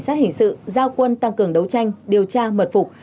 sát hình sự giao quân tăng cường đấu tranh điều tra mật phục